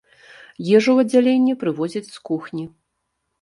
Ежу ў аддзяленне прывозяць з кухні.